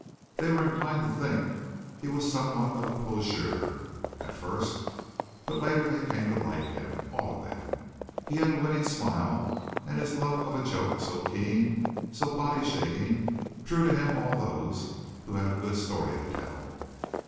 They were inclined to think he was somewhat of a poseur at first, but later they came to like him all of them. He had a winning smile and his love of a joke, so keen, so body shaking, drew to him all those who had a good story to tell.